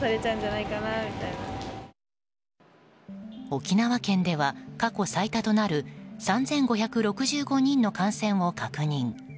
沖縄県では過去最多となる３５６５人の感染を確認。